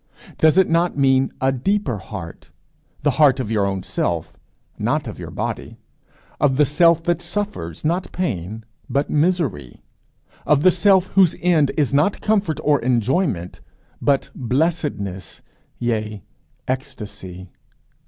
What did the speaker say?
Does it not mean a deeper heart, the heart of your own self, not of your body? of the self that suffers, not pain, but misery? of the self whose end is not comfort, or enjoyment, but blessedness, yea, ecstasy?